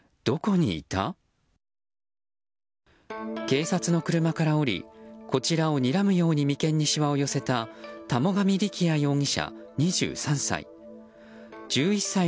警察の車から降りこちらをにらむように眉間にしわを寄せた田母神力哉容疑者、２３歳。